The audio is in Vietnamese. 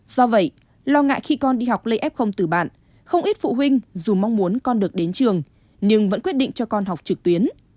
do vậy lo ngại khi con đi học lên f từ bạn không ít phụ huynh dù mong muốn con được đến trường nhưng vẫn quyết định cho con học trực tuyến